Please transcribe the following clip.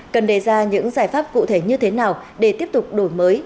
cần đề ra những giải pháp cụ thể như thế nào để tiếp tục đổi mới